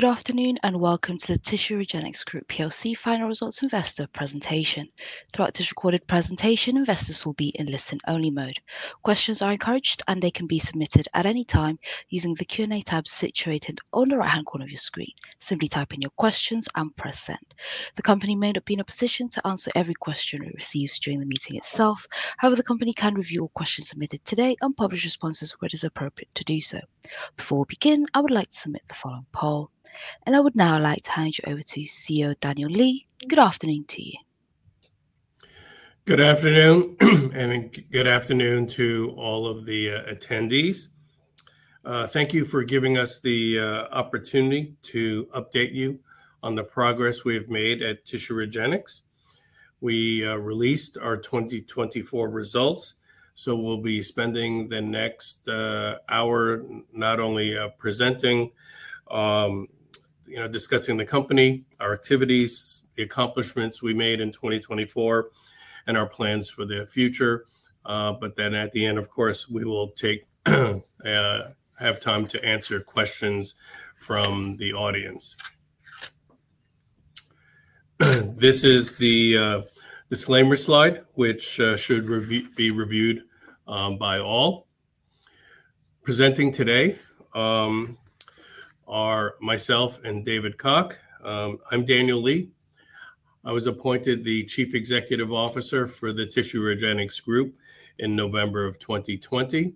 Good afternoon and welcome to the Tissue Regenix Group PLC Final Results Investor presentation. Throughout this recorded presentation, investors will be in listen-only mode. Questions are encouraged, and they can be submitted at any time using the Q&A tab situated on the right-hand corner of your screen. Simply type in your questions and press send. The company may not be in a position to answer every question it receives during the meeting itself. However, the company can review all questions submitted today and publish responses where it is appropriate to do so. Before we begin, I would like to submit the following poll, and I would now like to hand you over to CEO Daniel Lee. Good afternoon to you. Good afternoon, and good afternoon to all of the attendees. Thank you for giving us the opportunity to update you on the progress we've made at Tissue Regenix. We released our 2024 results, so we'll be spending the next hour not only presenting, you know, discussing the company, our activities, the accomplishments we made in 2024, and our plans for the future. At the end, of course, we will have time to answer questions from the audience. This is the disclaimer slide, which should be reviewed by all. Presenting today are myself and David Cocke. I'm Daniel Lee. I was appointed the Chief Executive Officer for Tissue Regenix Group in November of 2020.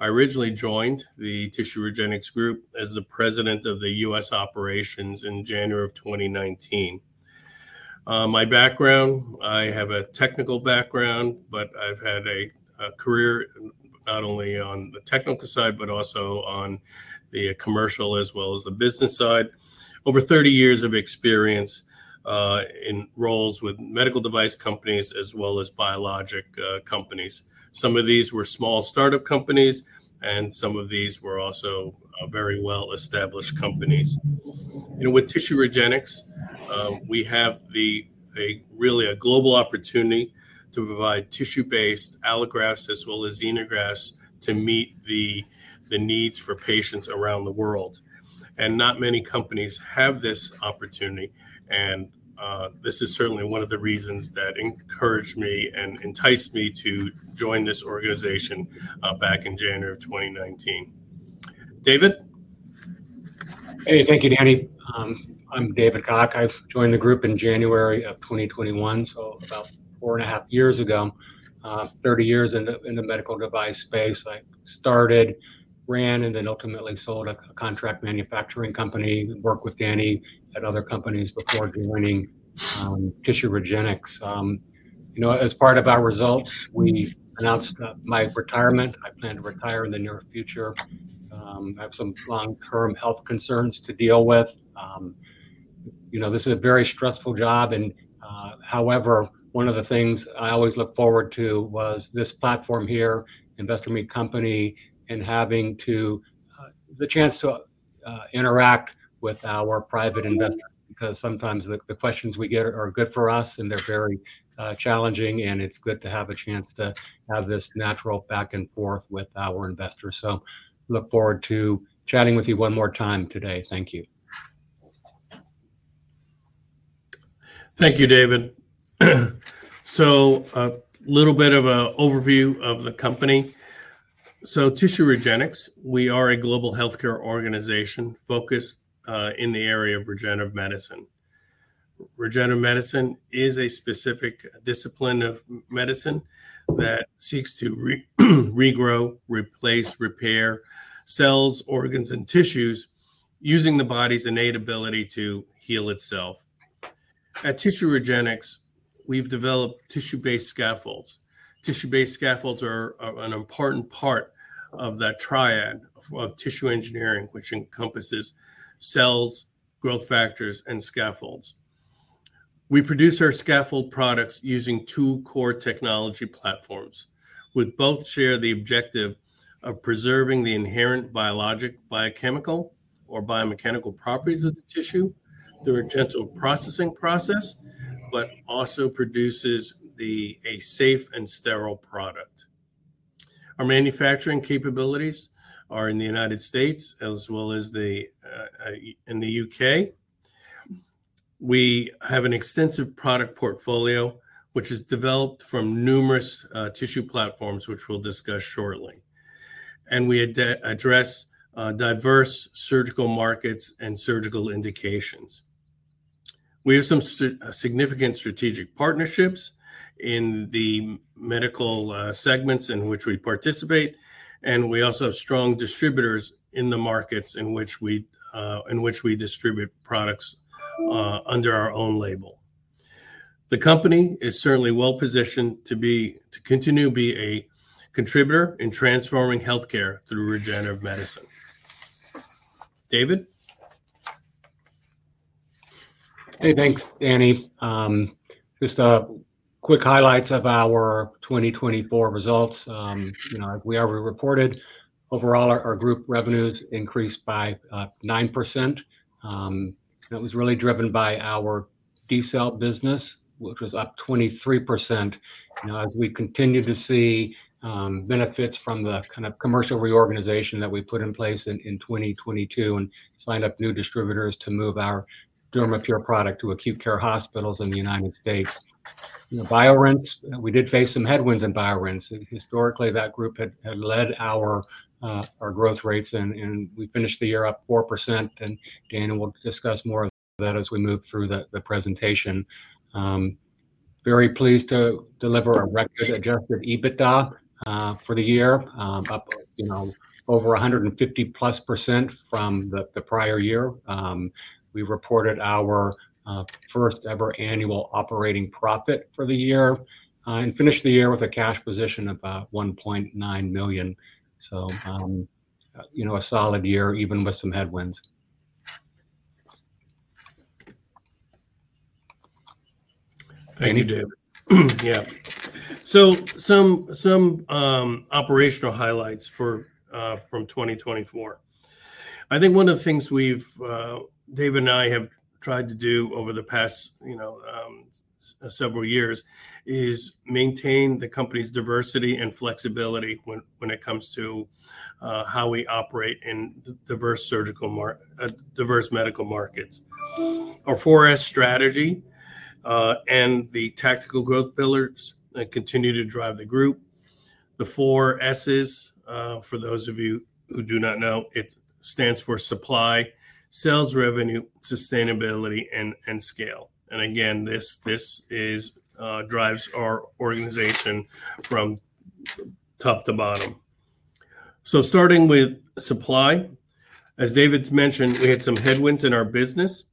I originally joined Tissue Regenix Group as the President of the U.S. Operations in January of 2019. My background: I have a technical background, but I've had a career not only on the technical side, but also on the commercial as well as the business side. Over 30 years of experience in roles with medical device companies as well as biologic companies. Some of these were small startup companies, and some of these were also very well-established companies. You know, with Tissue Regenix, we have really a global opportunity to provide tissue-based allografts as well as xenografts to meet the needs for patients around the world. Not many companies have this opportunity, and this is certainly one of the reasons that encouraged me and enticed me to join this organization back in January of 2019. David? Hey, thank you, Danny. I'm David Cocke. I joined the group in January of 2021, so about four and a half years ago, 30 years in the medical device space. I started, ran, and then ultimately sold a contract manufacturing company. I worked with Danny at other companies before joining Tissue Regenix. You know, as part of our results, we announced my retirement. I plan to retire in the near future. I have some long-term health concerns to deal with. You know, this is a very stressful job. However, one of the things I always look forward to was this platform here, Investor Meet Company, and having the chance to interact with our private investors, because sometimes the questions we get are good for us, and they're very challenging, and it's good to have a chance to have this natural back and forth with our investors. I look forward to chatting with you one more time today. Thank you. Thank you, David. A little bit of an overview of the company. Tissue Regenix, we are a global healthcare organization focused in the area of regenerative medicine. Regenerative medicine is a specific discipline of medicine that seeks to regrow, replace, repair cells, organs, and tissues using the body's innate ability to heal itself. At Tissue Regenix, we've developed tissue-based scaffolds. Tissue-based scaffolds are an important part of that triad of tissue engineering, which encompasses cells, growth factors, and scaffolds. We produce our scaffold products using two core technology platforms, which both share the objective of preserving the inherent biologic, biochemical, or biomechanical properties of the tissue through a gentle processing process, but also produces a safe and sterile product. Our manufacturing capabilities are in the United States as well as in the U.K. We have an extensive product portfolio, which is developed from numerous tissue platforms, which we'll discuss shortly. We address diverse surgical markets and surgical indications. We have some significant strategic partnerships in the medical segments in which we participate, and we also have strong distributors in the markets in which we distribute products under our own label. The company is certainly well positioned to continue to be a contributor in transforming healthcare through regenerative medicine. David? Hey, thanks, Danny. Just quick highlights of our 2024 results. You know, as we already reported, overall, our group revenues increased by 9%. That was really driven by our dCELL business, which was up 23%. You know, as we continue to see benefits from the kind of commercial reorganization that we put in place in 2022 and signed up new distributors to move our DermaPure product to acute care hospitals in the United States. You know, BioRinse, we did face some headwinds in BioRinse. Historically, that group had led our growth rates, and we finished the year up 4%. Daniel will discuss more of that as we move through the presentation. Very pleased to deliver a record-adjusted EBITDA for the year, up, you know, over 150%+ from the prior year. We reported our first-ever annual operating profit for the year and finished the year with a cash position of $1.9 million. So, you know, a solid year, even with some headwinds. Thank you, David. Yeah. Some operational highlights from 2024. I think one of the things we've, David and I have tried to do over the past, you know, several years is maintain the company's diversity and flexibility when it comes to how we operate in diverse medical markets. Our 4S strategy and the tactical growth pillars continue to drive the group. The 4Ss, for those of you who do not know, it stands for Supply, Sales Revenue, Sustainability, and Scale. This drives our organization from top to bottom. Starting with Supply, as David mentioned, we had some headwinds in our business.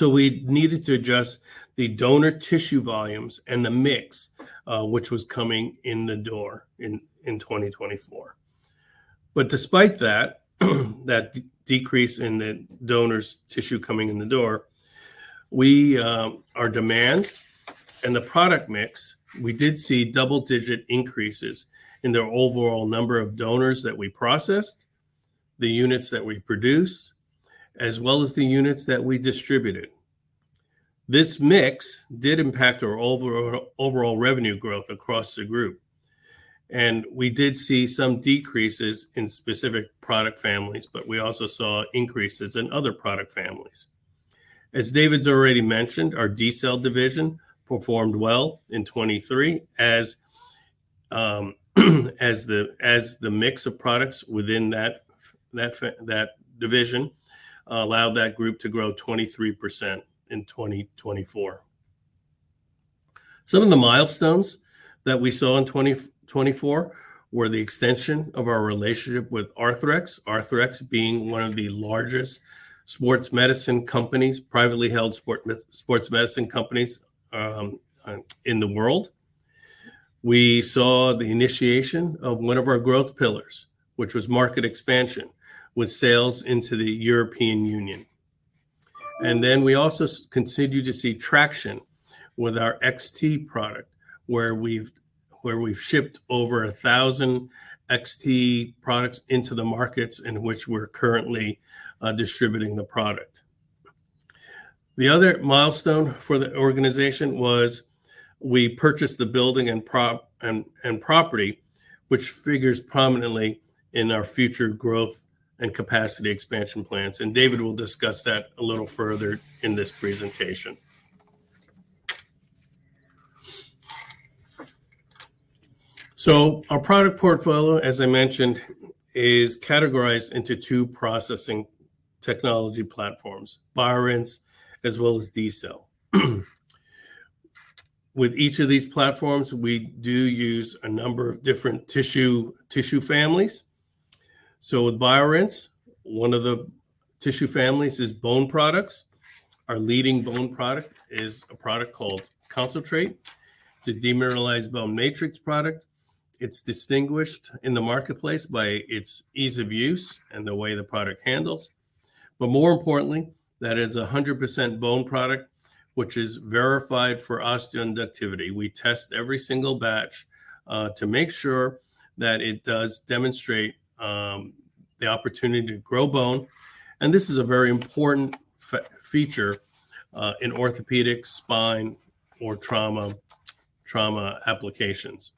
We needed to adjust the donor tissue volumes and the mix, which was coming in the door in 2024. Despite that decrease in the donors' tissue coming in the door, our demand and the product mix, we did see double-digit increases in the overall number of donors that we processed, the units that we produce, as well as the units that we distributed. This mix did impact our overall revenue growth across the group. We did see some decreases in specific product families, but we also saw increases in other product families. As David's already mentioned, our dCELL division performed well in 2023, as the mix of products within that division allowed that group to grow 23% in 2024. Some of the milestones that we saw in 2024 were the extension of our relationship with Arthrex, Arthrex being one of the largest privately held sports medicine companies in the world. We saw the initiation of one of our growth pillars, which was market expansion with sales into the European Union. We also continued to see traction with our XT product, where we've shipped over 1,000 XT products into the markets in which we're currently distributing the product. The other milestone for the organization was we purchased the building and property, which figures prominently in our future growth and capacity expansion plans. David will discuss that a little further in this presentation. Our product portfolio, as I mentioned, is categorized into two processing technology platforms, BioRinse, as well as dCELL. With each of these platforms, we do use a number of different tissue families. With BioRinse, one of the tissue families is bone products. Our leading bone product is a product called ConCelltrate; it's a demineralized bone matrix product. It's distinguished in the marketplace by its ease of use and the way the product handles. More importantly, that is a 100% bone product, which is verified for osteoinductivity. We test every single batch to make sure that it does demonstrate the opportunity to grow bone. This is a very important feature in orthopedic, spine, or trauma applications.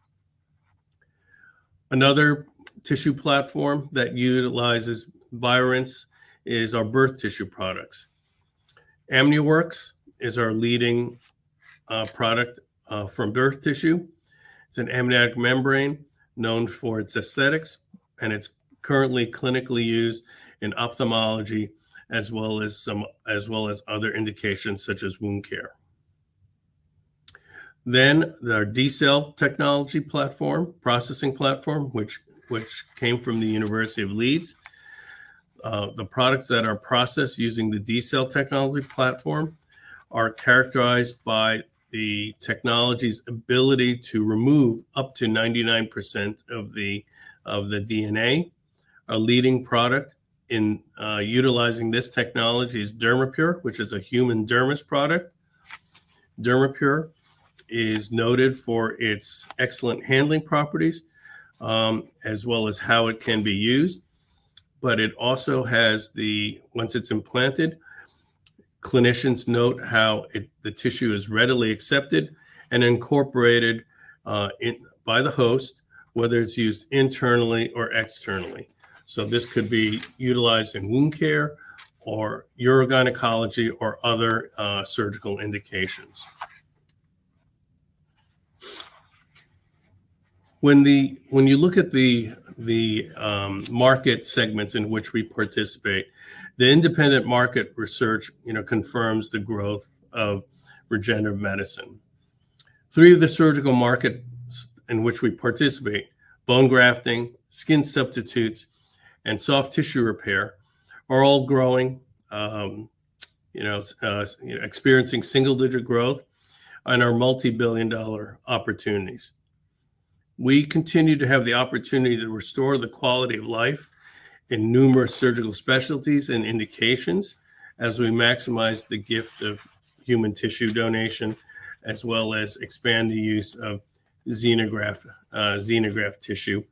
Another tissue platform that utilizes BioRinse is our birth tissue products. AmnioWorks is our leading product from birth tissue. It's an amniotic membrane known for its aesthetics, and it's currently clinically used in ophthalmology as well as other indications such as wound care. There is the dCELL technology platform, processing platform, which came from the University of Leeds. The products that are processed using the dCELL technology platform are characterized by the technology's ability to remove up to 99% of the DNA. Our leading product in utilizing this technology is DermaPure, which is a human dermis product. DermaPure is noted for its excellent handling properties as well as how it can be used. It also has, once it's implanted, clinicians note how the tissue is readily accepted and incorporated by the host, whether it's used internally or externally. This could be utilized in wound care or urogynecology or other surgical indications. When you look at the market segments in which we participate, the independent market research, you know, confirms the growth of regenerative medicine. Three of the surgical markets in which we participate, bone grafting, skin substitutes, and soft tissue repair, are all growing, you know, experiencing single-digit growth and are multi-billion dollar opportunities. We continue to have the opportunity to restore the quality of life in numerous surgical specialties and indications as we maximize the gift of human tissue donation, as well as expand the use of xenograft tissue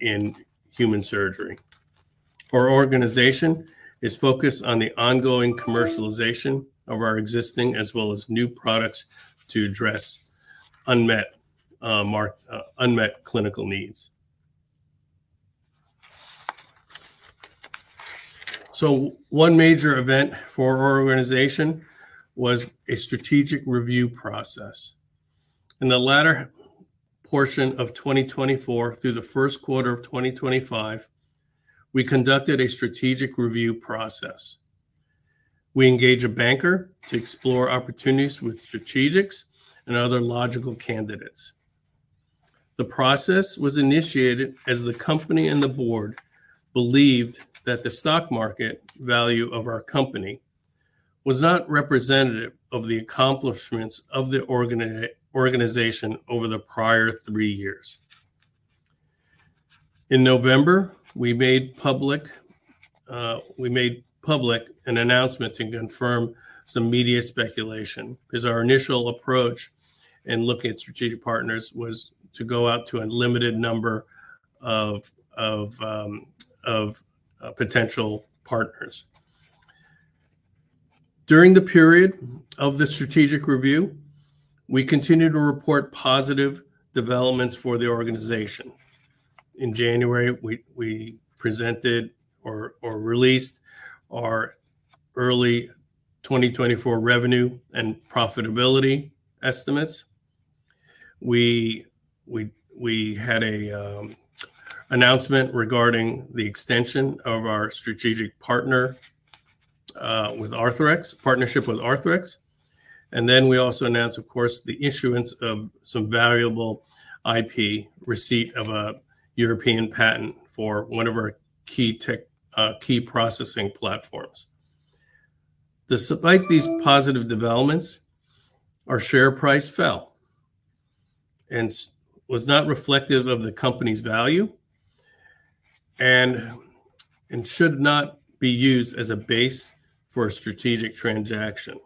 in human surgery. Our organization is focused on the ongoing commercialization of our existing as well as new products to address unmet clinical needs. One major event for our organization was a strategic review process. In the latter portion of 2024 through the first quarter of 2025, we conducted a strategic review process. We engaged a banker to explore opportunities with strategics and other logical candidates. The process was initiated as the company and the board believed that the stock market value of our company was not representative of the accomplishments of the organization over the prior three years. In November, we made public an announcement to confirm some media speculation, because our initial approach in looking at strategic partners was to go out to a limited number of potential partners. During the period of the strategic review, we continued to report positive developments for the organization. In January, we presented or released our early 2024 revenue and profitability estimates. We had an announcement regarding the extension of our strategic partner with Arthrex, partnership with Arthrex. We also announced, of course, the issuance of some valuable IP receipt of a European patent for one of our key processing platforms. Despite these positive developments, our share price fell and was not reflective of the company's value and should not be used as a base for a strategic transaction.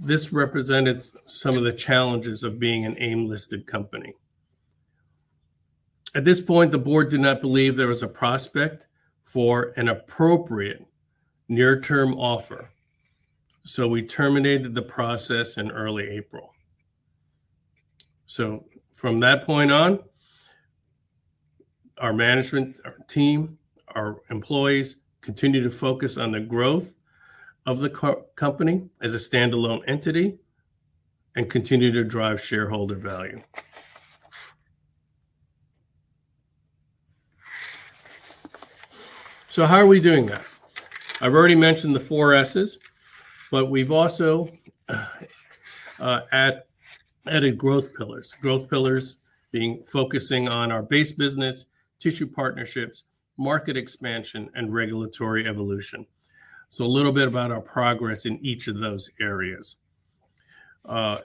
This represented some of the challenges of being an AIM-listed company. At this point, the board did not believe there was a prospect for an appropriate near-term offer. We terminated the process in early April. From that point on, our management team, our employees continued to focus on the growth of the company as a standalone entity and continued to drive shareholder value. How are we doing that? I've already mentioned the 4Ss, but we've also added growth pillars, growth pillars being focusing on our base business, tissue partnerships, market expansion, and regulatory evolution. A little bit about our progress in each of those areas. With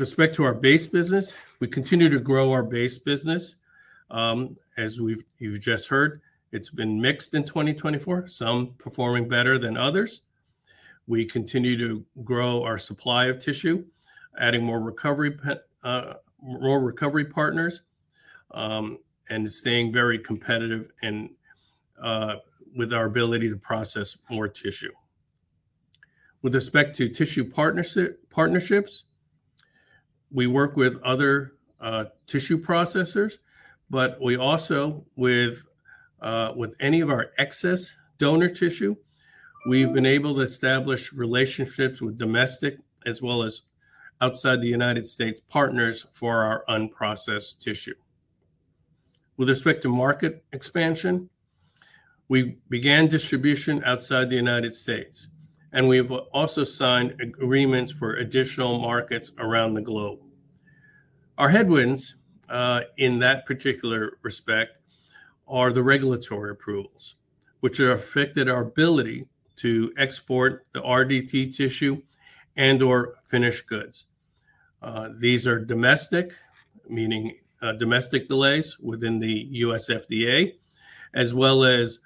respect to our base business, we continue to grow our base business. As you've just heard, it's been mixed in 2024, some performing better than others. We continue to grow our supply of tissue, adding more recovery partners and staying very competitive with our ability to process more tissue. With respect to tissue partnerships, we work with other tissue processors, but we also, with any of our excess donor tissue, we've been able to establish relationships with domestic as well as outside-the-United-States partners for our unprocessed tissue. With respect to market expansion, we began distribution outside the United States, and we've also signed agreements for additional markets around the globe. Our headwinds in that particular respect are the regulatory approvals, which have affected our ability to export the RDT tissue and/or finished goods. These are domestic, meaning domestic delays within the U.S. FDA, as well as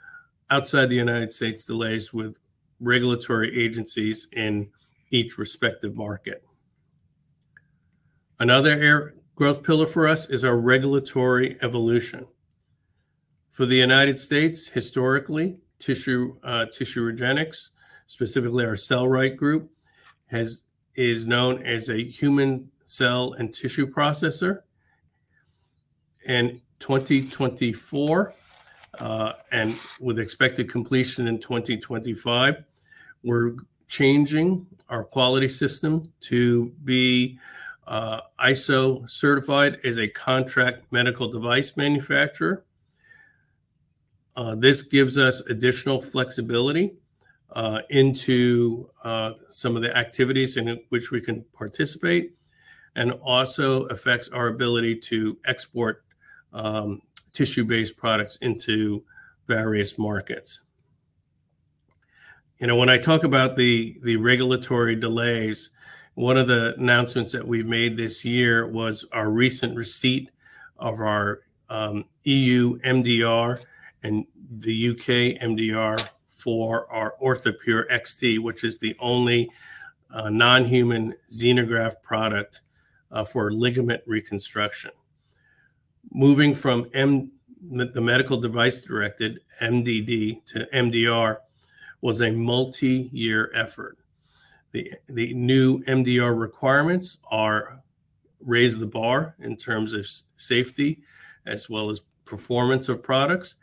outside-the-United-States delays with regulatory agencies in each respective market. Another growth pillar for us is our regulatory evolution. For the United States, historically, Tissue Regenix, specifically our CellRight Group, is known as a human cell and tissue processor. In 2024, and with expected completion in 2025, we're changing our quality system to be ISO-certified as a contract medical device manufacturer. This gives us additional flexibility into some of the activities in which we can participate and also affects our ability to export tissue-based products into various markets. You know, when I talk about the regulatory delays, one of the announcements that we've made this year was our recent receipt of our EU MDR and the U.K. MDR for our OrthoPure XT, which is the only non-human xenograft product for ligament reconstruction. Moving from the medical device directed, MDD, to MDR was a multi-year effort. The new MDR requirements raise the bar in terms of safety as well as performance of products,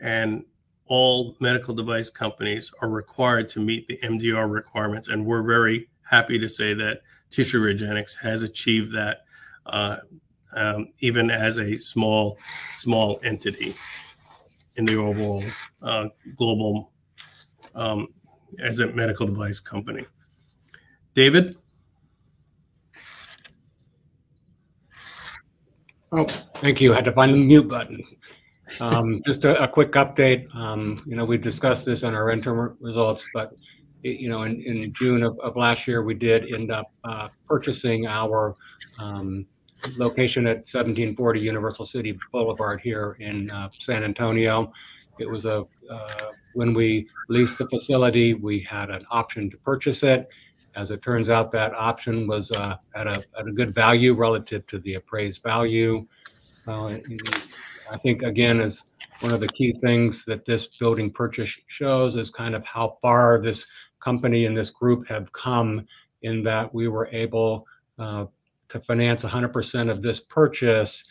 and all medical device companies are required to meet the MDR requirements. We are very happy to say that Tissue Regenix has achieved that even as a small entity in the overall global as a medical device company. David? Oh, thank you. I had to find the mute button. Just a quick update. You know, we discussed this in our interim results, but, you know, in June of last year, we did end up purchasing our location at 1740 Universal City Boulevard here in San Antonio. It was a—when we leased the facility, we had an option to purchase it. As it turns out, that option was at a good value relative to the appraised value. I think, again, as one of the key things that this building purchase shows is kind of how far this company and this group have come in that we were able to finance 100% of this purchase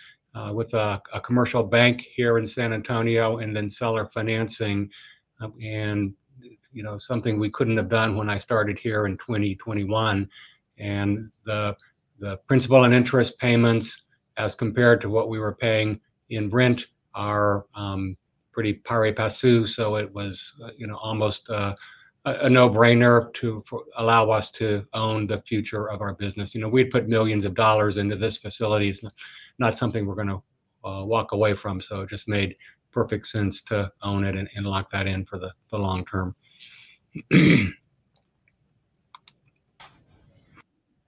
with a commercial bank here in San Antonio and then seller financing. You know, something we couldn't have done when I started here in 2021. The principal and interest payments, as compared to what we were paying in rent, are pretty pari-passu. It was, you know, almost a no-brainer to allow us to own the future of our business. You know, we'd put millions of dollars into this facility. It's not something we're going to walk away from. It just made perfect sense to own it and lock that in for the long term.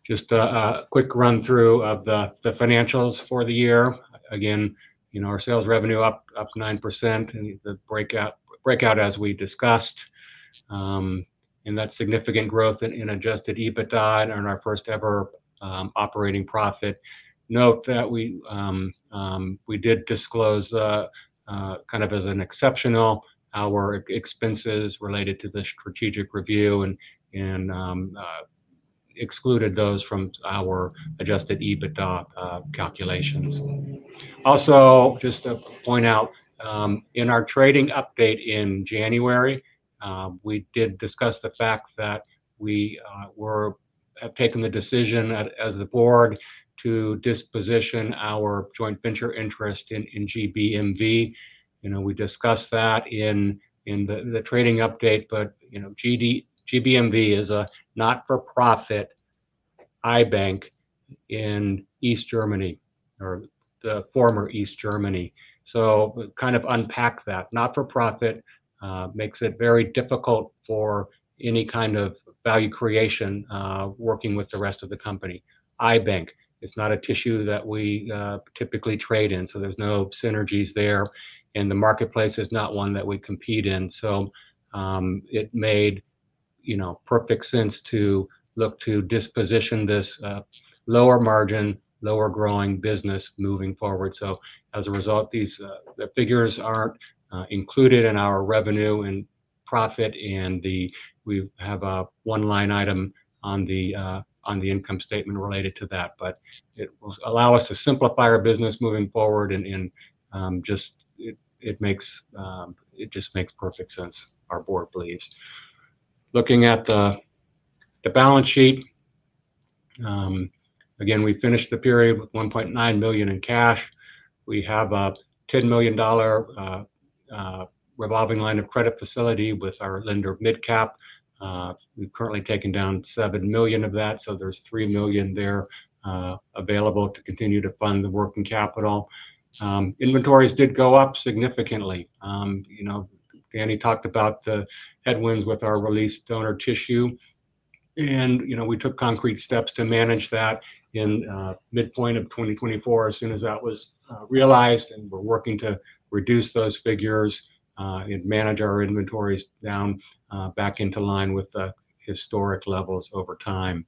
Just a quick run-through of the financials for the year. Again, you know, our sales revenue up 9% and the breakout as we discussed. That is significant growth in adjusted EBITDA and our first-ever operating profit. Note that we did disclose, kind of as an exceptional, our expenses related to the strategic review and excluded those from our adjusted EBITDA calculations. Also, just to point out, in our trading update in January, we did discuss the fact that we have taken the decision as the board to disposition our joint venture interest in GBM-V. You know, we discussed that in the trading update, but, you know, GBM-V is a not-for-profit eye bank in East Germany or the former East Germany. To kind of unpack that, not-for-profit makes it very difficult for any kind of value creation working with the rest of the company. Eye bank is not a tissue that we typically trade in, so there are no synergies there. The marketplace is not one that we compete in. It made, you know, perfect sense to look to disposition this lower margin, lower-growing business moving forward. As a result, these figures are not included in our revenue and profit. We have a one-line item on the income statement related to that. It will allow us to simplify our business moving forward. It just makes perfect sense, our board believes. Looking at the balance sheet again, we finished the period with $1.9 million in cash. We have a $10 million revolving line of credit facility with our lender, MidCap. We have currently taken down $7 million of that, so there is $3 million available to continue to fund the working capital. Inventories did go up significantly. You know, Danny talked about the headwinds with our released donor tissue. You know, we took concrete steps to manage that in midpoint of 2024 as soon as that was realized. We are working to reduce those figures and manage our inventories down back into line with the historic levels over time.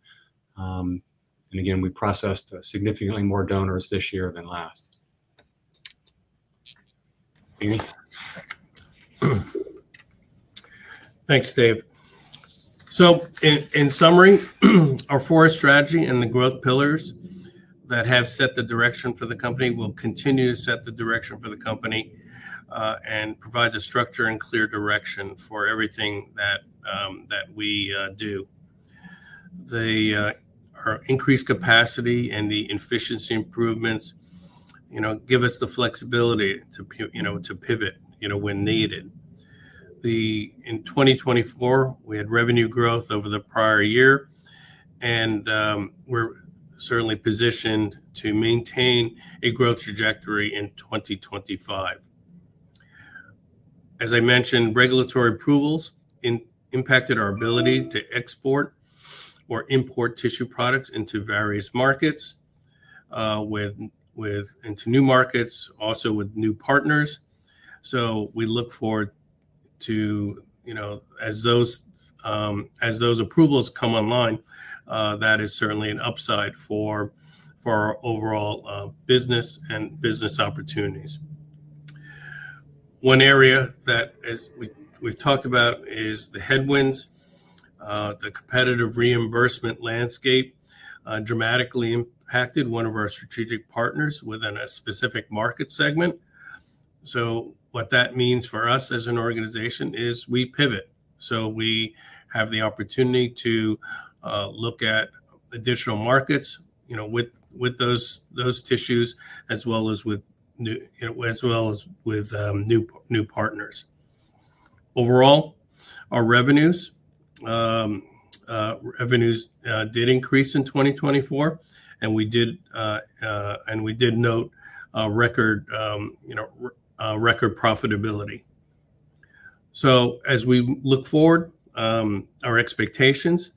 Again, we processed significantly more donors this year than last. Thanks, Dave. In summary, our four strategies and the growth pillars that have set the direction for the company will continue to set the direction for the company and provide the structure and clear direction for everything that we do. The increased capacity and the efficiency improvements, you know, give us the flexibility to, you know, to pivot, you know, when needed. In 2024, we had revenue growth over the prior year, and we are certainly positioned to maintain a growth trajectory in 2025. As I mentioned, regulatory approvals impacted our ability to export or import tissue products into various markets, with into new markets, also with new partners. We look forward to, you know, as those approvals come online, that is certainly an upside for our overall business and business opportunities. One area that we've talked about is the headwinds. The competitive reimbursement landscape dramatically impacted one of our strategic partners within a specific market segment. What that means for us as an organization is we pivot. We have the opportunity to look at additional markets, you know, with those tissues as well as with, you know, as well as with new partners. Overall, our revenues did increase in 2024, and we did note record, you know, record profitability. As we look forward, our expectations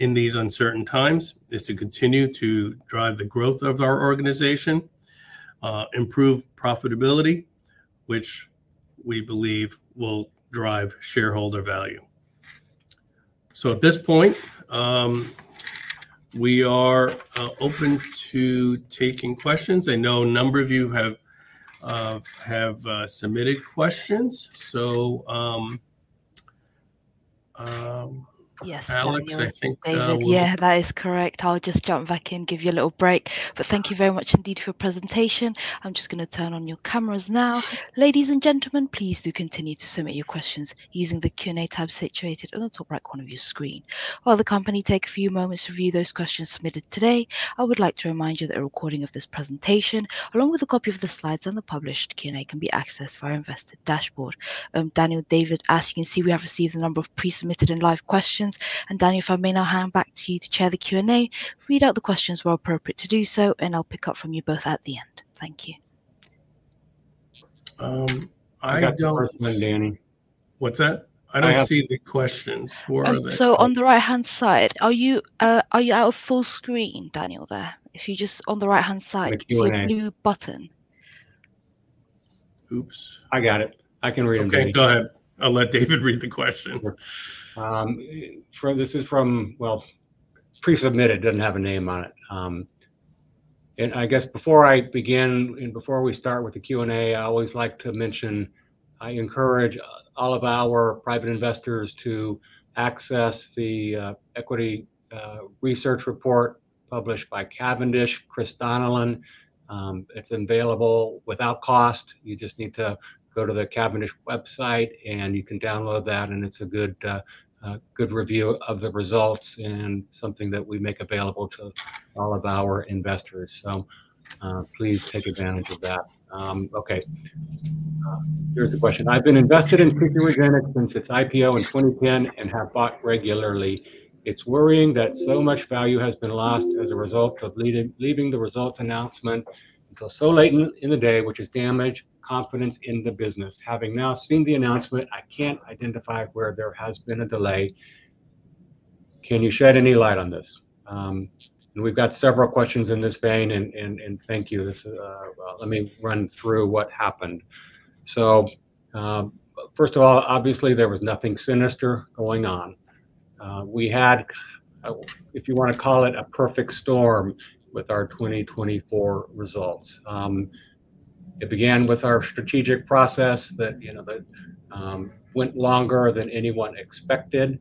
in these uncertain times is to continue to drive the growth of our organization, improve profitability, which we believe will drive shareholder value. At this point, we are open to taking questions. I know a number of you have submitted questions. Alex, I think— Yes, thank you. Yeah, that is correct. I'll just jump back in, give you a little break. Thank you very much indeed for your presentation. I'm just going to turn on your cameras now. Ladies and gentlemen, please do continue to submit your questions using the Q&A tab situated on the top right corner of your screen. While the company takes a few moments to review those questions submitted today, I would like to remind you that a recording of this presentation, along with a copy of the slides and the published Q&A, can be accessed via our investor dashboard. Daniel, David, as you can see, we have received a number of pre-submitted and live questions. Daniel, if I may now hand back to you to chair the Q&A, read out the questions where appropriate to do so, and I'll pick up from you both at the end. Thank you. I got the first one, Danny. What's that? I don't see the questions. Where are they? On the right-hand side, are you out of full screen, Daniel, there? If you just, on the right-hand side, you see a blue button. Oops. I got it. I can read it. Okay, go ahead. I'll let David read the question. This is from, well, it's pre-submitted. It doesn't have a name on it. I guess before I begin and before we start with the Q&A, I always like to mention, I encourage all of our private investors to access the equity research report published by Cavendish, Chris Donnellan. It's available without cost. You just need to go to the Cavendish website, and you can download that. It's a good review of the results and something that we make available to all of our investors. Please take advantage of that. Okay. Here's the question. I've been invested in Tissue Regenix since its IPO in 2010 and have bought regularly. It's worrying that so much value has been lost as a result of leaving the results announcement until so late in the day, which has damaged confidence in the business. Having now seen the announcement, I can't identify where there has been a delay. Can you shed any light on this? We have several questions in this vein, and thank you. Let me run through what happened. First of all, obviously, there was nothing sinister going on. We had, if you want to call it, a perfect storm with our 2024 results. It began with our strategic process that, you know, went longer than anyone expected.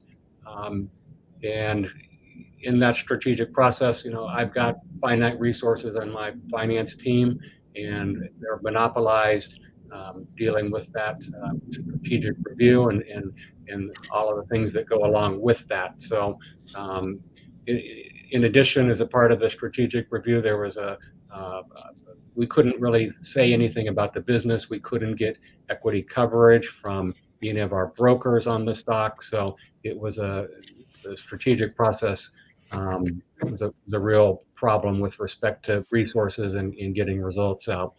In that strategic process, you know, I have finite resources on my finance team, and they are monopolized dealing with that strategic review and all of the things that go along with that. In addition, as a part of the strategic review, we could not really say anything about the business. We could not get equity coverage from any of our brokers on the stock. It was a strategic process. It was a real problem with respect to resources and getting results out.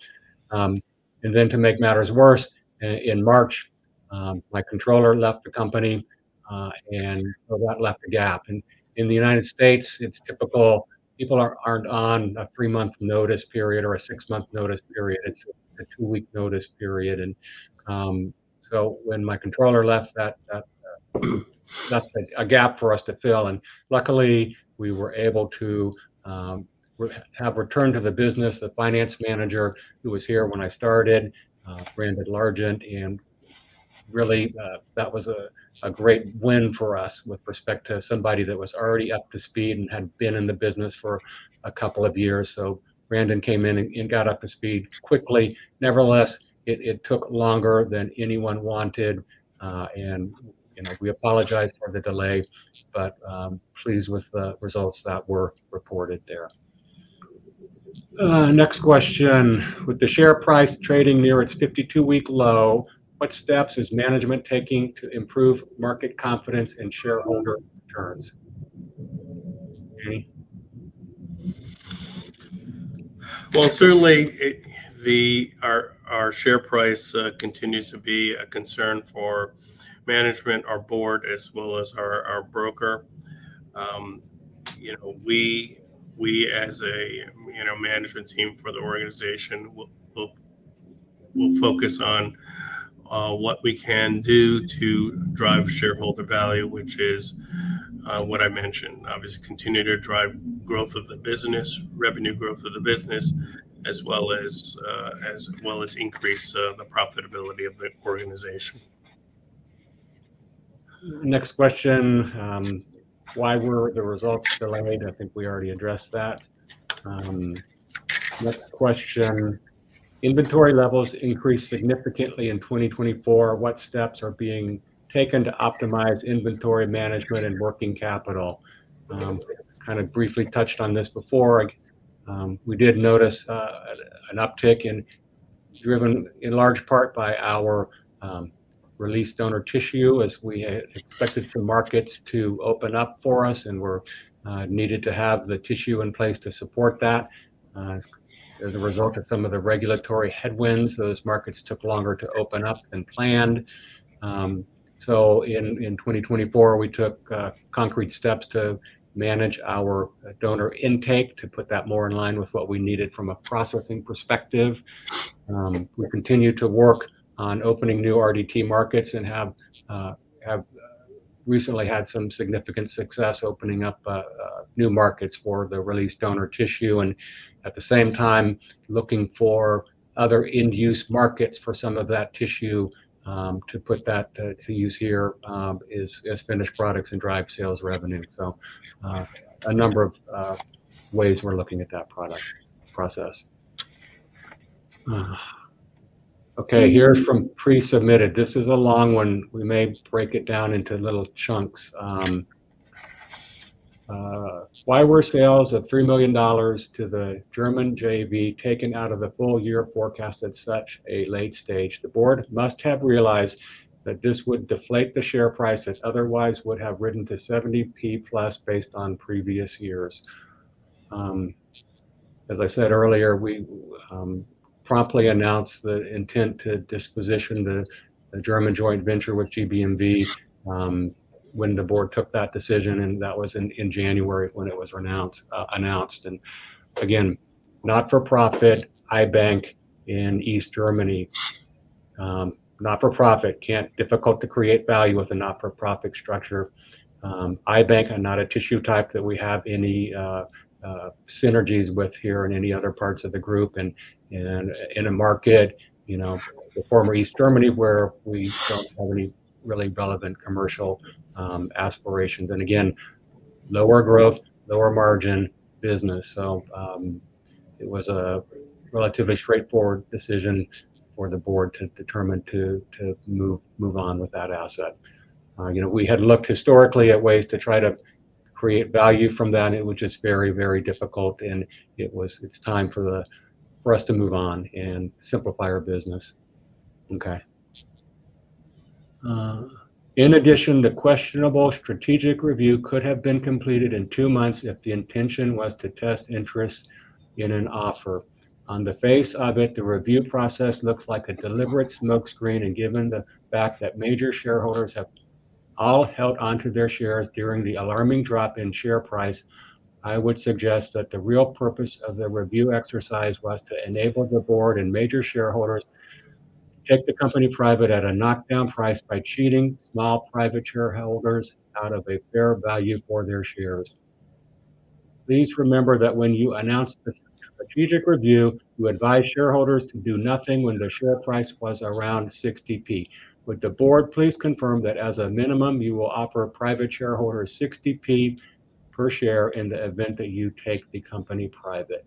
To make matters worse, in March, my controller left the company, and that left a gap. In the United States, it's typical people aren't on a three-month notice period or a six-month notice period. It's a two-week notice period. When my controller left, that left a gap for us to fill. Luckily, we were able to have returned to the business the finance manager who was here when I started, Brandon Largent. That was a great win for us with respect to somebody that was already up to speed and had been in the business for a couple of years. Brandon came in and got up to speed quickly. Nevertheless, it took longer than anyone wanted. You know, we apologize for the delay, but pleased with the results that were reported there. Next question. With the share price trading near its 52-week low, what steps is management taking to improve market confidence and shareholder returns? Certainly, our share price continues to be a concern for management, our board, as well as our broker. You know, we, as a management team for the organization, will focus on what we can do to drive shareholder value, which is what I mentioned, obviously continue to drive growth of the business, revenue growth of the business, as well as increase the profitability of the organization. Next question. Why were the results delayed? I think we already addressed that. Next question. Inventory levels increased significantly in 2024. What steps are being taken to optimize inventory management and working capital? Kind of briefly touched on this before. We did notice an uptick in, driven in large part by our released donor tissue as we expected some markets to open up for us and were needed to have the tissue in place to support that. As a result of some of the regulatory headwinds, those markets took longer to open up than planned. In 2024, we took concrete steps to manage our donor intake to put that more in line with what we needed from a processing perspective. We continue to work on opening new RDT markets and have recently had some significant success opening up new markets for the released donor tissue. At the same time, looking for other end-use markets for some of that tissue to put that to use here as finished products and drive sales revenue. A number of ways we're looking at that product process. Okay. Here's from pre-submitted. This is a long one. We may break it down into little chunks. Why were sales of $3 million to the German JV taken out of the full year forecast at such a late stage? The board must have realized that this would deflate the share price that otherwise would have risen to 0.70 plus based on previous years. As I said earlier, we promptly announced the intent to disposition the German joint venture with GBM-V when the board took that decision. That was in January when it was announced. Not-for-profit, GBM-V is a not-for-profit eye bank in East Germany. Not-for-profit, it is difficult to create value with a not-for-profit structure. Eye bank and not a tissue type that we have any synergies with here in any other parts of the group. In a market, you know, the former East Germany, where we do not have any really relevant commercial aspirations. Lower growth, lower margin business. It was a relatively straightforward decision for the board to determine to move on with that asset. You know, we had looked historically at ways to try to create value from that, and it was just very, very difficult. It was time for us to move on and simplify our business. Okay. In addition, the questionable strategic review could have been completed in two months if the intention was to test interest in an offer. On the face of it, the review process looks like a deliberate smokescreen. Given the fact that major shareholders have all held onto their shares during the alarming drop in share price, I would suggest that the real purpose of the review exercise was to enable the board and major shareholders to take the company private at a knockdown price by cheating small private shareholders out of a fair value for their shares. Please remember that when you announced the strategic review, you advised shareholders to do nothing when the share price was around 0.60. Would the board please confirm that as a minimum, you will offer private shareholders 0.60 per share in the event that you take the company private?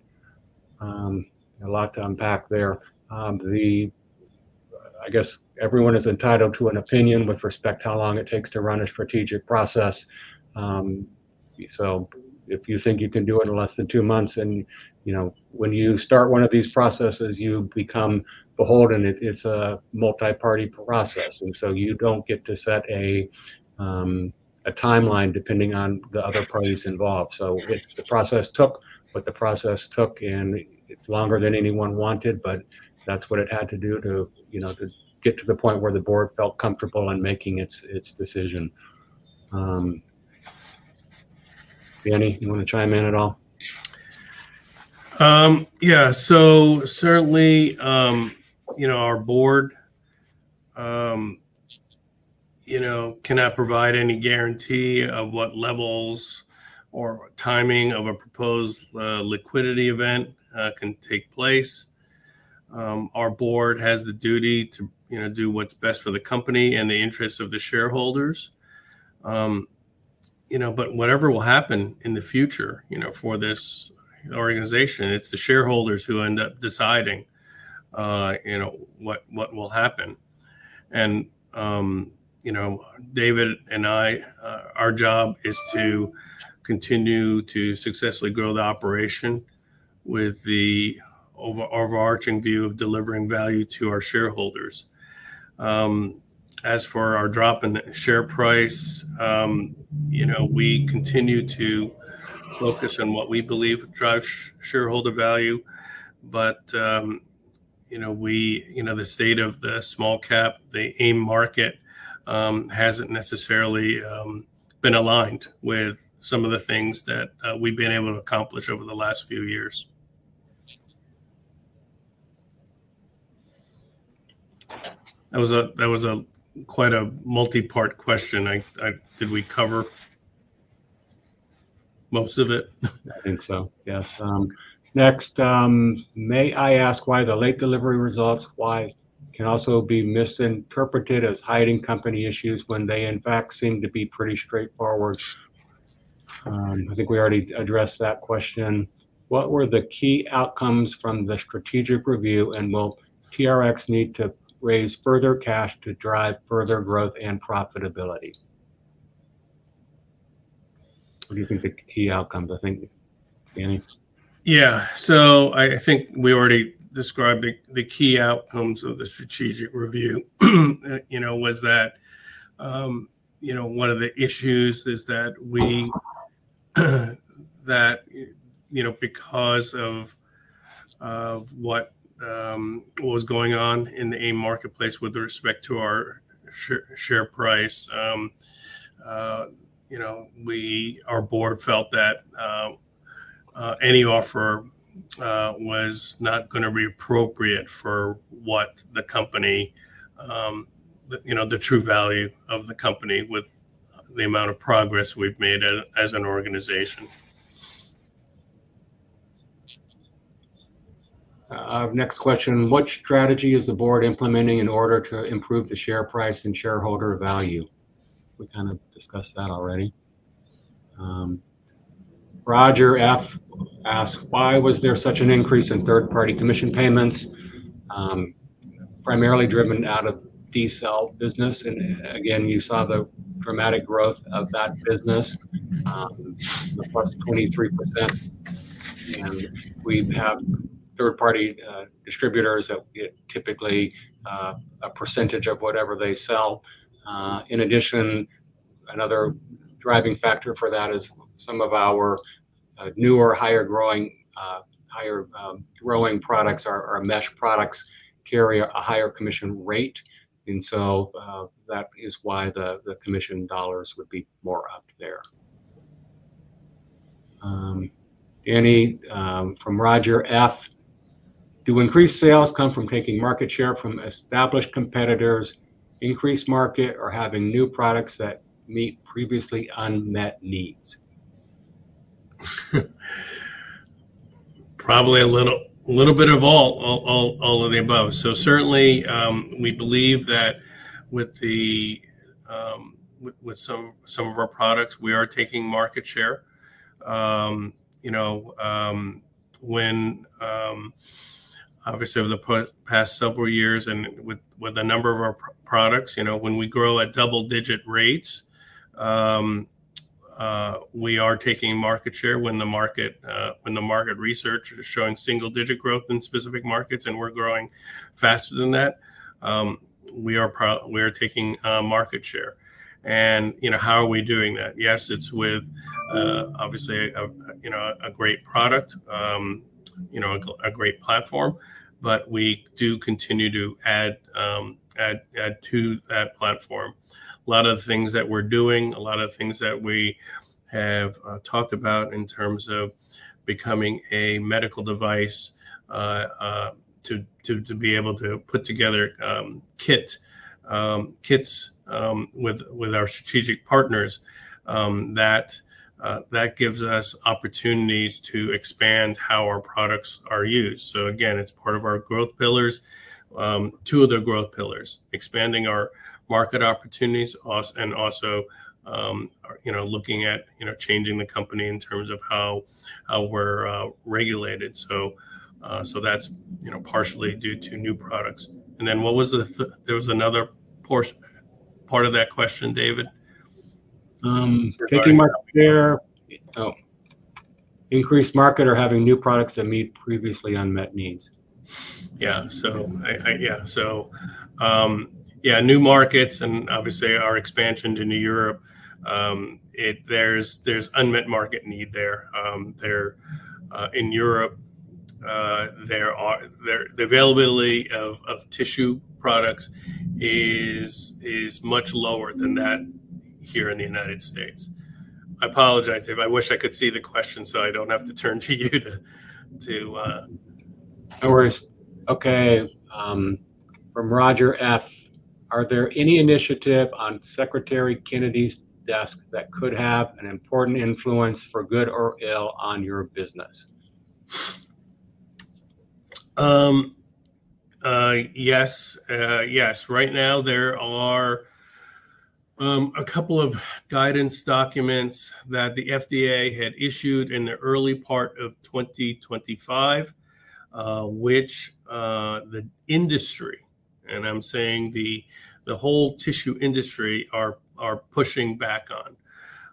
A lot to unpack there. I guess everyone is entitled to an opinion with respect to how long it takes to run a strategic process. If you think you can do it in less than two months, and you know, when you start one of these processes, you become beholden. It's a multi-party process. You don't get to set a timeline depending on the other parties involved. The process took what the process took, and it's longer than anyone wanted, but that's what it had to do to, you know, to get to the point where the board felt comfortable in making its decision. Danny, you want to chime in at all? Yeah. Certainly, you know, our board, you know, cannot provide any guarantee of what levels or timing of a proposed liquidity event can take place. Our board has the duty to, you know, do what's best for the company and the interests of the shareholders. You know, whatever will happen in the future, you know, for this organization, it's the shareholders who end up deciding, you know, what will happen. You know, David and I, our job is to continue to successfully grow the operation with the overarching view of delivering value to our shareholders. As for our drop in share price, you know, we continue to focus on what we believe drives shareholder value. You know, the state of the small cap, the AIM market hasn't necessarily been aligned with some of the things that we've been able to accomplish over the last few years. That was quite a multi-part question. Did we cover most of it? I think so. Yes. Next, may I ask why the late delivery results can also be misinterpreted as hiding company issues when they, in fact, seem to be pretty straightforward? I think we already addressed that question. What were the key outcomes from the strategic review, and will TRX need to raise further cash to drive further growth and profitability? What do you think the key outcomes? I think, Danny. Yeah. I think we already described the key outcomes of the strategic review. You know, one of the issues is that, you know, because of what was going on in the AIM marketplace with respect to our share price, our board felt that any offer was not going to be appropriate for the true value of the company with the amount of progress we've made as an organization. Next question. What strategy is the board implementing in order to improve the share price and shareholder value? We kind of discussed that already. Roger F. asked, why was there such an increase in third-party commission payments? Primarily driven out of dCELL business. You saw the dramatic growth of that business, the plus 23%. We have third-party distributors that get typically a percentage of whatever they sell. In addition, another driving factor for that is some of our newer higher growing products, our mesh products, carry a higher commission rate. That is why the commission dollars would be more up there. Danny from Roger F. Do increased sales come from taking market share from established competitors, increased market, or having new products that meet previously unmet needs? Probably a little bit of all of the above. Certainly, we believe that with some of our products, we are taking market share. You know, when obviously over the past several years and with the number of our products, you know, when we grow at double-digit rates, we are taking market share. When the market research is showing single-digit growth in specific markets and we're growing faster than that, we are taking market share. You know, how are we doing that? Yes, it's with obviously, you know, a great product, you know, a great platform, but we do continue to add to that platform. A lot of the things that we're doing, a lot of the things that we have talked about in terms of becoming a medical device to be able to put together kits with our strategic partners, that gives us opportunities to expand how our products are used. Again, it's part of our growth pillars, two of the growth pillars, expanding our market opportunities and also, you know, looking at, you know, changing the company in terms of how we're regulated. That's, you know, partially due to new products. Then what was the, there was another part of that question, David? Taking market share. Increased market or having new products that meet previously unmet needs? Yeah. Yeah, new markets and obviously our expansion to Europe, there's unmet market need there. In Europe, the availability of tissue products is much lower than here in the United States. I apologize, David. I wish I could see the question so I don't have to turn to you to— No worries. Okay. From Roger F. Are there any initiatives on Secretary Kennedy's desk that could have an important influence for good or ill on your business? Yes. Yes. Right now, there are a couple of guidance documents that the FDA had issued in the early part of 2025, which the industry, and I'm saying the whole tissue industry, are pushing back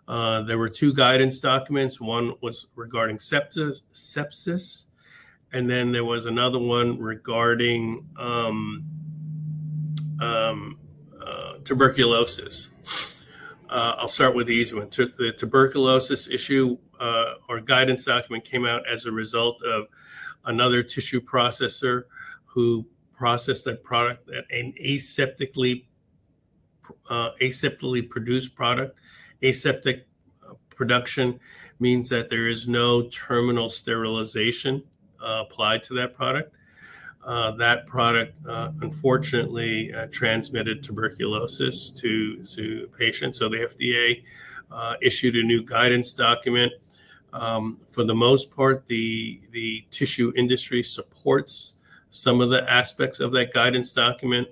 on. There were two guidance documents. One was regarding sepsis. There was another one regarding tuberculosis. I'll start with the easy one. The tuberculosis issue, our guidance document came out as a result of another tissue processor who processed that product, an aseptically produced product. Aseptic production means that there is no terminal sterilization applied to that product. That product, unfortunately, transmitted tuberculosis to patients. The FDA issued a new guidance document. For the most part, the tissue industry supports some of the aspects of that guidance document.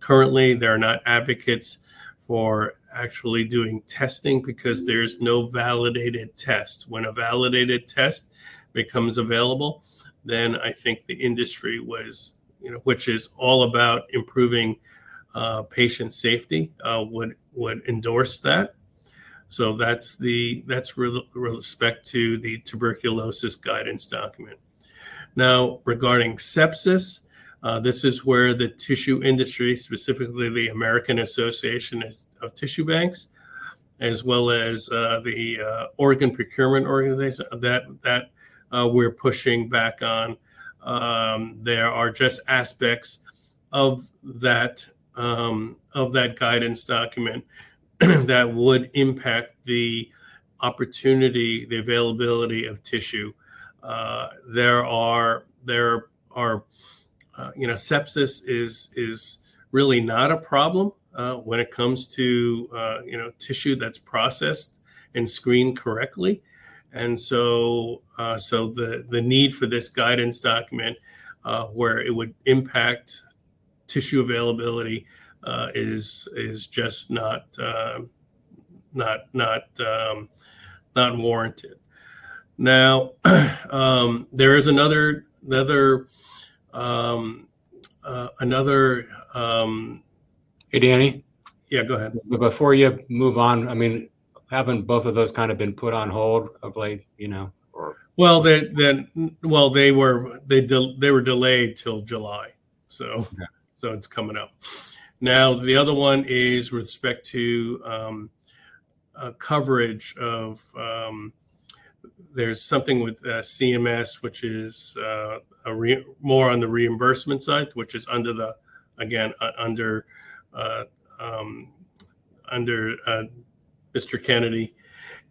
Currently, they're not advocates for actually doing testing because there's no validated test. When a validated test becomes available, then I think the industry was, you know, which is all about improving patient safety, would endorse that. That is with respect to the tuberculosis guidance document. Now, regarding sepsis, this is where the tissue industry, specifically the American Association of Tissue Banks, as well as the organ procurement organization, that we're pushing back on. There are just aspects of that guidance document that would impact the opportunity, the availability of tissue. There are, you know, sepsis is really not a problem when it comes to, you know, tissue that's processed and screened correctly. The need for this guidance document, where it would impact tissue availability, is just not warranted. Now, there is another-- Hey, Danny? Yeah, go ahead. Before you move on, I mean, haven't both of those kind of been put on hold, you know? They were delayed till July. It is coming up. Now, the other one is with respect to coverage of there's something with CMS, which is more on the reimbursement side, which is under, again, under Mr. Kennedy.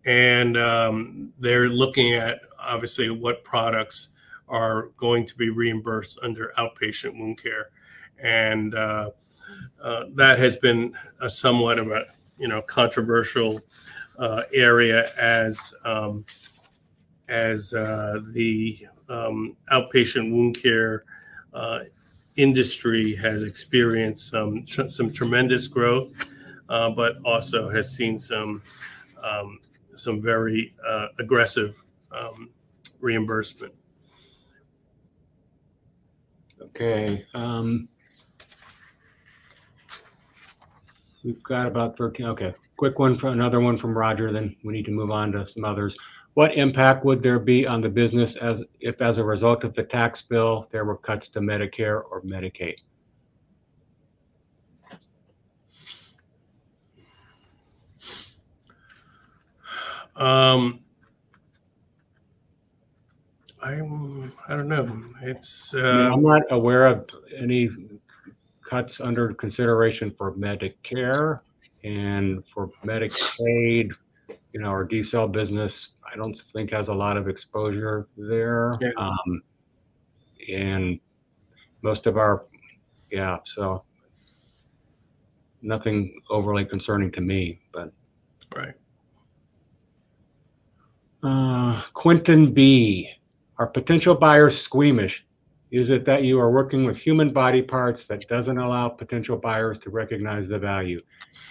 They are looking at, obviously, what products are going to be reimbursed under outpatient wound care. That has been somewhat of a, you know, controversial area as the outpatient wound care industry has experienced some tremendous growth, but also has seen some very aggressive reimbursement. Okay. We have about 13. Okay. Quick one, another one from Roger, then we need to move on to some others. What impact would there be on the business if, as a result of the tax bill, there were cuts to Medicare or Medicaid? I do not know. It's-- I'm not aware of any cuts under consideration for Medicare and for Medicaid, you know, our dCELL business, I don't think has a lot of exposure there. Most of our--yeah. Nothing overly concerning to me, but. Right. Quentin B. Our potential buyer squeamish, is it that you are working with human body parts that doesn't allow potential buyers to recognize the value?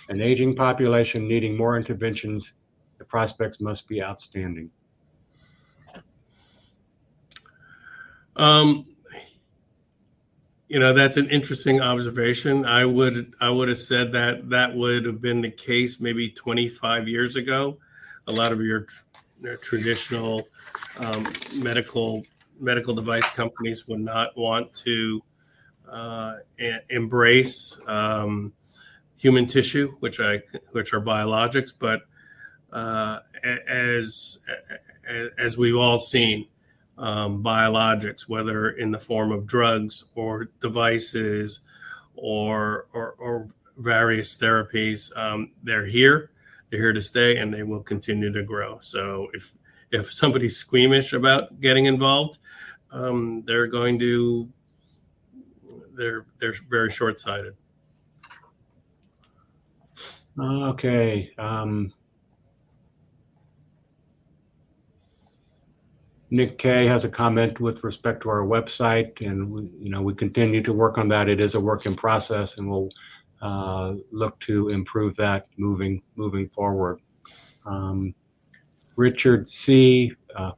An aging population needing more interventions, the prospects must be outstanding. You know, that's an interesting observation. I would have said that that would have been the case maybe 25 years ago. A lot of your traditional medical device companies would not want to embrace human tissue, which are biologics. As we've all seen, biologics, whether in the form of drugs or devices or various therapies, they're here. They're here to stay, and they will continue to grow. If somebody's squeamish about getting involved, they're going to—they're very short-sighted. Okay. Nick K. has a comment with respect to our website, and we continue to work on that. It is a work in process, and we'll look to improve that moving forward. Richard C.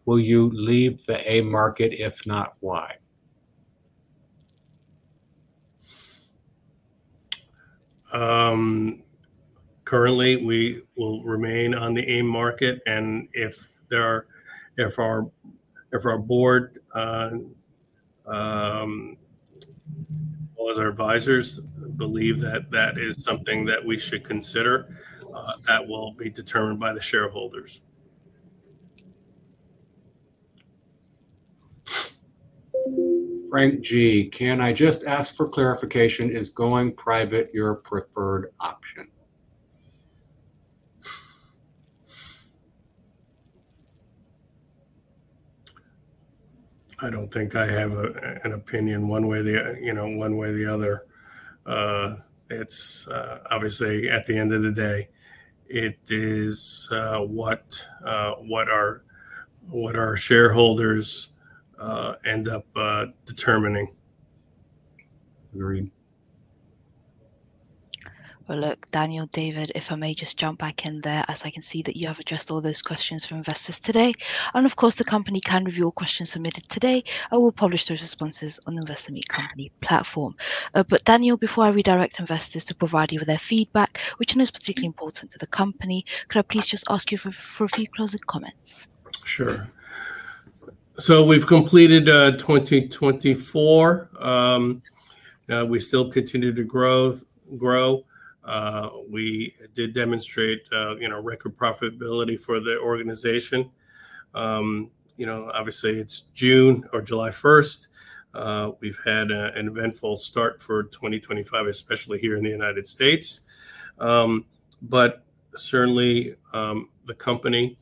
Will you leave the AIM market? If not, why? Currently, we will remain on the AIM market. If our board, as our advisors, believe that that is something that we should consider, that will be determined by the shareholders. Frank G. Can I just ask for clarification? Is going private your preferred option? I don't think I have an opinion one way, you know, one way or the other. It's obviously, at the end of the day, it is what our shareholders end up determining. Agreed. Daniel, David, if I may just jump back in there, as I can see that you have addressed all those questions from investors today. Of course, the company can review all questions submitted today and will publish those responses on the Investor Meet Company platform. Daniel, before I redirect investors to provide you with their feedback, which is particularly important to the company, could I please just ask you for a few closing comments? Sure. We have completed 2024. We still continue to grow. We did demonstrate, you know, record profitability for the organization. You know, obviously, it is June or July 1st. We have had an eventful start for 2025, especially here in the United States. Certainly, the company,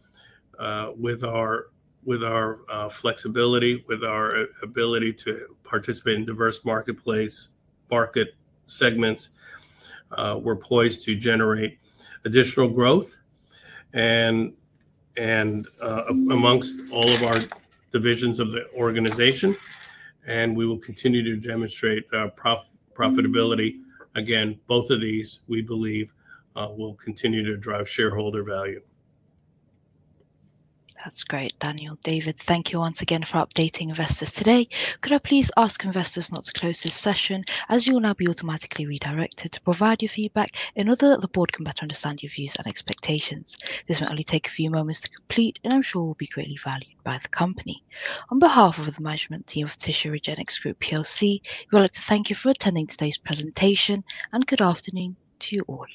with our flexibility, with our ability to participate in diverse market segments, we are poised to generate additional growth. Amongst all of our divisions of the organization, we will continue to demonstrate profitability. Again, both of these, we believe, will continue to drive shareholder value. That's great. Daniel, David, thank you once again for updating investors today. Could I please ask investors not to close this session as you will now be automatically redirected to provide your feedback in order that the board can better understand your views and expectations? This will only take a few moments to complete, and I'm sure will be greatly valued by the company. On behalf of the management team of Tissue Regenix Group PLC, we would like to thank you for attending today's presentation, and good afternoon to you all.